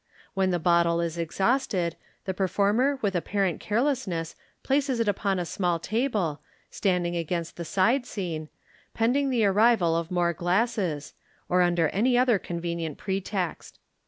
When the bottle is exhausted, the performer with apparent carelessness places it upon a small table, standing against the side scene, pending the arrival of more glasses, 01 under any other convenient pretext.